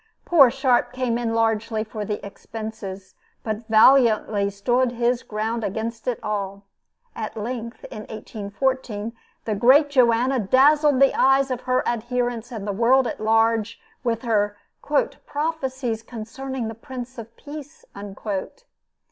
Poor Sharp came in largely for the expenses, but valiantly stood his ground against it all. At length, in 1814, the great Joanna dazzled the eyes of her adherents and the world at large with her "Prophecies concerning the Prince of Peace."